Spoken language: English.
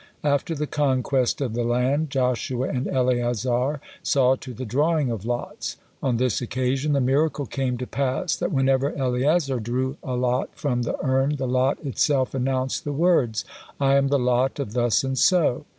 After the conquest of the land Joshua and Eleazar saw to the drawing of lots. On this occasion the miracle came to pass that whenever Eleazar drew a lot from the urn, the lot itself announced the words, "I am the lot of Thus and So."